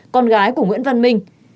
con gái của nguyễn văn minh